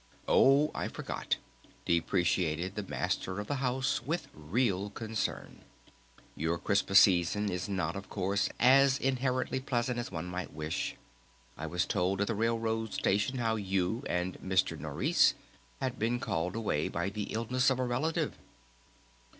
"Oh, I forgot," deprecated the Master of the House with real concern. "Your Christmas season is not, of course, as inherently 'pleasant' as one might wish.... I was told at the railroad station how you and Mr. Nourice had been called away by the illness of a relative."